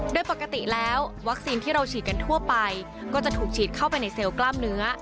โดยปกติแล้ววัคซีนที่เราฉีดกันทั่วไปก็จะถูกฉีดเข้าไปในเซลล์กล้ามเนื้อ